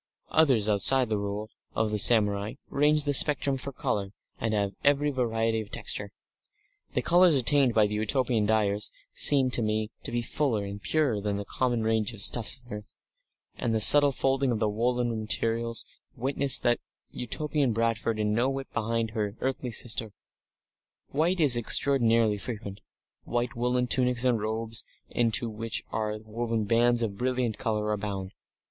Others outside the Rule of the samurai range the spectrum for colour, and have every variety of texture; the colours attained by the Utopian dyers seem to me to be fuller and purer than the common range of stuffs on earth; and the subtle folding of the woollen materials witness that Utopian Bradford is no whit behind her earthly sister. White is extraordinarily frequent; white woollen tunics and robes into which are woven bands of brilliant colour, abound.